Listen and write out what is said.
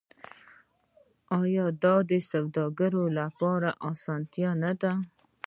آیا دا د سوداګرۍ لپاره اسانتیا نه ده؟